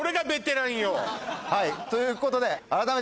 はいということで。